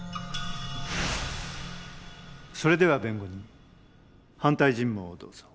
それでは弁護人反対尋問をどうぞ。